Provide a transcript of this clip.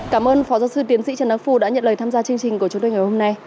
cảm ơn phó giáo sư tiến sĩ trần đăng phu đã nhận lời tham gia chương trình của chúng tôi ngày hôm nay